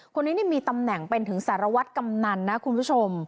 คนนี้นี่มีตำแหน่งเป็นถึงสารวัตรกำนันนะคุณผู้ชม